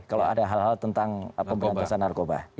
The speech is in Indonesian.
kalau ada hal hal tentang pemberantasan narkoba